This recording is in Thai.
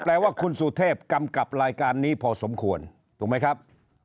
แปลว่าคุณสุเทพกำกับรายการนี้พอสมควรถูกไหมครับ